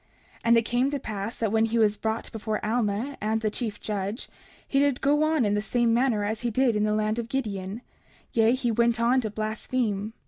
30:30 And it came to pass that when he was brought before Alma and the chief judge, he did go on in the same manner as he did in the land of Gideon; yea, he went on to blaspheme.